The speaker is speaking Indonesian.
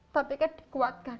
tapi kan dikuatkan